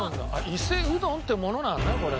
伊勢うどんってものなのねこれが。